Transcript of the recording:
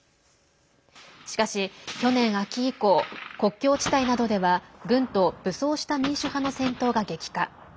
しかし、去年秋以降国境地帯などでは軍と武装した民主派の戦闘が激化。